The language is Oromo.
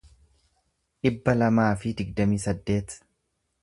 dhibba lamaa fi digdamii saddeet